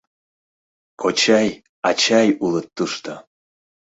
Кочай, ачай улыт тушто.